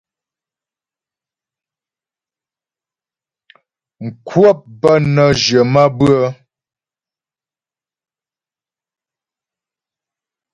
Mkwəp bə́ nə́ jyə̀ maə́bʉə́'ə.